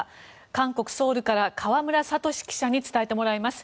韓国ソウルから河村聡記者に伝えてもらいます。